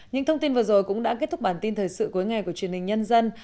những thông tin vừa rồi cũng đã kết thúc bản tin thời sự cuối ngày của truyền hình nhân dân